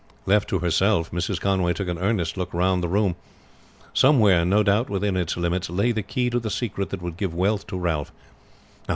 Left to herself, Mrs. Conway took an earnest look round the room. Somewhere no doubt within its limits lay the key of the secret that would give wealth to Ralph.